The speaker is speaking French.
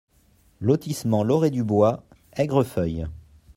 LOTISSEMENT L OREE DU BOIS, Aigrefeuille